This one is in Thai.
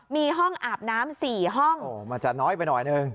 มีห้องอาบน้ำ๔ห้องโอ้โหมันจะน้อยไปหน่อยหนึ่ง